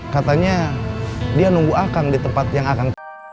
katanya dia nunggu akang di tempat yang akan